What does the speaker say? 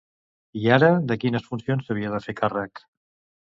I ara de quines funcions s'havia de fer càrrec?